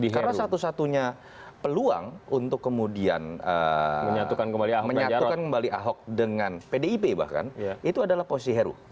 karena satu satunya peluang untuk kemudian menyatukan kembali ahok dengan pdip bahkan itu adalah posisi heru